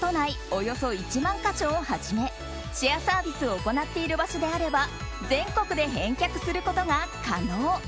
およそ１万か所をはじめシェアサービスを行っている場所であれば全国で返却することが可能。